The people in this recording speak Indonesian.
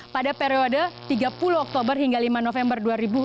pada periode tiga puluh oktober hingga lima november dua ribu dua puluh